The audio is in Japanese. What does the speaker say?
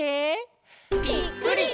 ぴっくり！